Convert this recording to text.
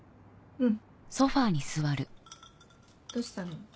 うん。